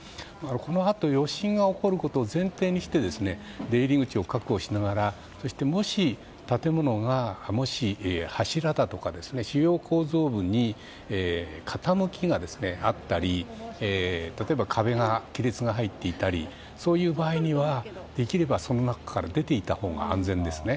このあと余震が起こることを前提にして出入り口を確保しながらそして、もし建物の柱だとか、主要構造部に傾きがあったり例えば壁に亀裂が入っていたりそういう場合にはできればその中から出ていたほうが安全ですね。